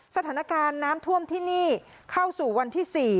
สถานการณ์น้ำท่วมที่นี่เข้าสู่วันที่๔